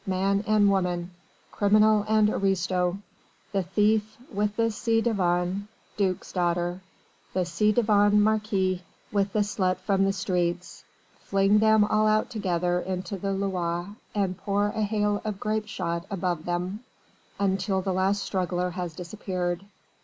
Man and woman! criminal and aristo! the thief with the ci devant duke's daughter! the ci devant marquis with the slut from the streets! Fling them all out together into the Loire and pour a hail of grape shot above them until the last struggler has disappeared!